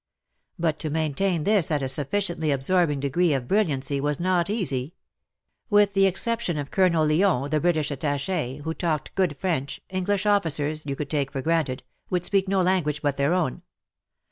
But to maintain this at a sufficiently absorbing degree of brilliancy was not easy. With the exception of Col. Lyon — the British Attache — who talked good French, English officers — you could take for granted — would speak no language but their own.